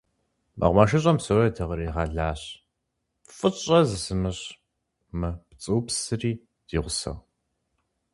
МэкъумэшыщӀэм псори дыкъригъэлащ, фӀыщӀэ зымыщӀ мы пцӀыупсри ди гъусэу.